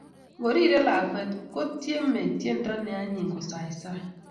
Ngorirei lakwet, kotiemei tiendo ne anyiny kosaisai